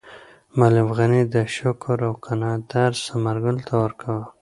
معلم غني د شکر او قناعت درس ثمرګل ته ورکاوه.